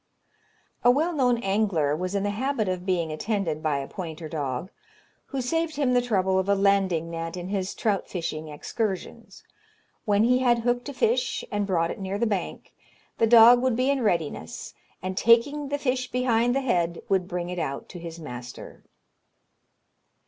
A well known angler was in the habit of being attended by a pointer dog, who saved him the trouble of a landing net in his trout fishing excursions. When he had hooked a fish and brought it near the bank, the dog would be in readiness, and taking the fish behind the head, would bring it out to his master.